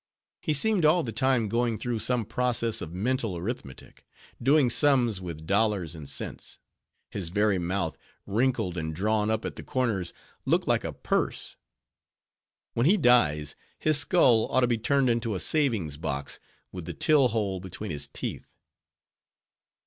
He seemed all the time going through some process of mental arithmetic; doing sums with dollars and cents: his very mouth, wrinkled and drawn up at the corners, looked like a purse. When he dies, his skull ought to be turned into a savings box, with the till hole between his teeth.